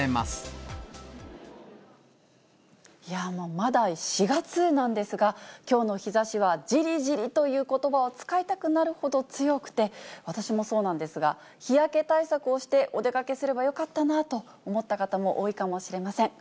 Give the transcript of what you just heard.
まだ４月なんですが、きょうの日ざしはじりじりということばを使いたくなるほど強くて、私もそうなんですが、日焼け対策をして、お出かけすればよかったなと思った方も多いかもしれません。